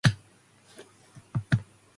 Lieberman and Garfield would eventually marry.